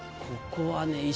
ここはね